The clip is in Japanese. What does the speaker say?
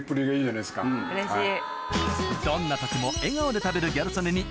うれしい。